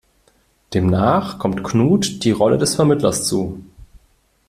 Demnach kommt Knut die Rolle des Vermittlers zu.